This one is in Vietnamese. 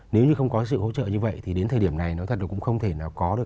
nếu như không có sự hỗ trợ như vậy thì đến thời điểm này nó thật là cũng không thể nào có được